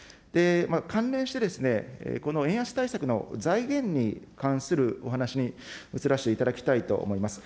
関連してですね、この円安対策の財源に関するお話に移らせていただきたいと思います。